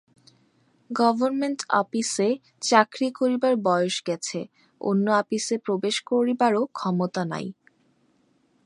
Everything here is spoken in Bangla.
গবর্মেণ্ট আপিসে চাকরি করিবার বয়স গেছে, অন্য আপিসে প্রবেশ করিবারও ক্ষমতা নাই।